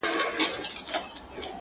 چا ته دم چا ته دوا د رنځ شفا سي,